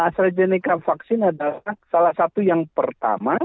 astrazeneca vaksin adalah salah satu yang pertama